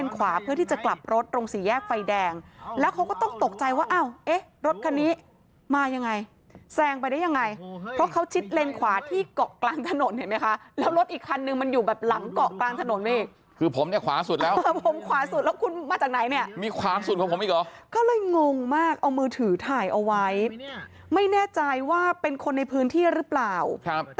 ขับคิดเลนส์ขวาเพื่อที่จะกลับ